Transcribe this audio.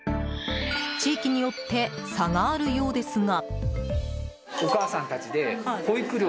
地域によって差があるようですが。